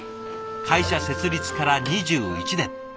会社設立から２１年。